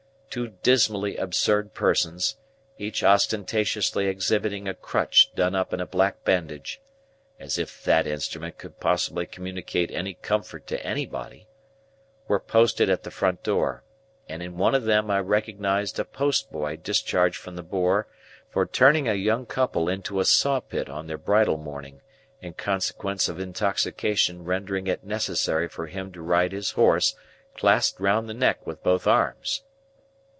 Two dismally absurd persons, each ostentatiously exhibiting a crutch done up in a black bandage,—as if that instrument could possibly communicate any comfort to anybody,—were posted at the front door; and in one of them I recognised a postboy discharged from the Boar for turning a young couple into a sawpit on their bridal morning, in consequence of intoxication rendering it necessary for him to ride his horse clasped round the neck with both arms.